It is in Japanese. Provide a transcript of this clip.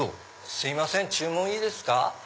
すいません注文いいですか。